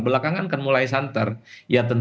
belakangan kan mulai sangat bergantung